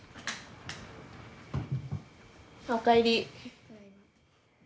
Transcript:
お帰り。